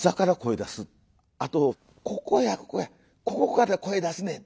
あと「ここやここやここから声出すねん」